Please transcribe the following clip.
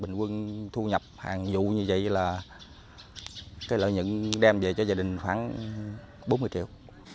bình quân thu nhập hàng vụ như vậy là cái lợi nhận đem về cho gia đình khoảng bốn mươi triệu